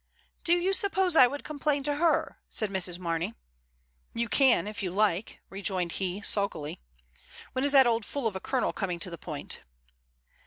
"Do you suppose I would complain to her?" said Mrs. Mamey. "You can, if you like," rejoined he, sulkily. "When is that old fool of a colonel coming to the point?"